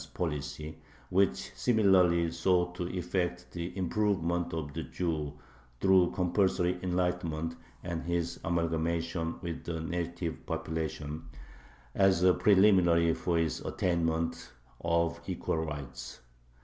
's policy, which similarly sought to effect the "improvement" of the Jew through compulsory enlightenment and his amalgamation with the native population, as a preliminary for his attainment of equal rights.